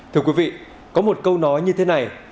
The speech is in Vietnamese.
thưa quý vị có một câu nói như thế này